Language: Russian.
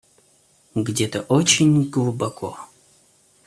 Где-то очень глубоко.